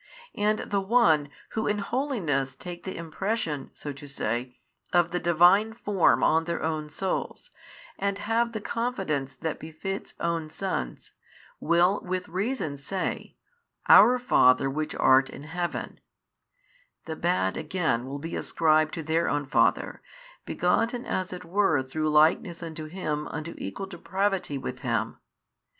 And the one, who in holiness take the impression (so to say) of the Divine Form on their own souls, and have the confidence that befits own sons, will with reason say Our Father which art in heaven: the bad again will be ascribed to their own father, begotten as it were through likeness unto him unto equal depravity with him.